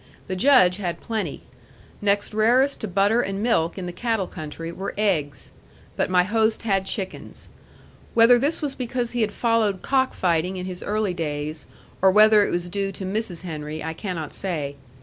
The Judge had plenty. Next rarest to butter and milk in the cattle country were eggs. But my host had chickens. Whether this was because he had followed cock fighting in his early days, or whether it was due to Mrs. Henry, I cannot say.